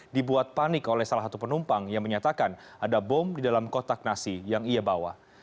dibuat panik oleh salah satu penumpang yang menyatakan ada bom di dalam kotak nasi yang ia bawa